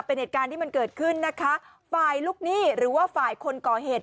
เป็นเหตุการณ์ที่มันเกิดขึ้นนะคะฝ่ายลูกหนี้หรือว่าฝ่ายคนก่อเหตุ